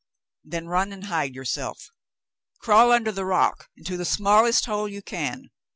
"Then run and hide yourself. Crawl under the rock — into the smallest hole you can.